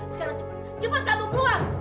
sekarang cepat cepat kamu keluar